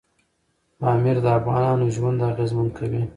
پامیر د افغانانو ژوند اغېزمن کوي.